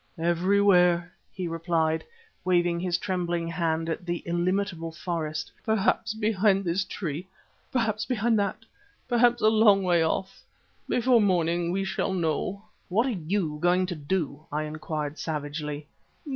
"Everywhere," he replied, waving his trembling hand at the illimitable forest. "Perhaps behind this tree, perhaps behind that, perhaps a long way off. Before morning we shall know." "What are you going to do?" I inquired savagely.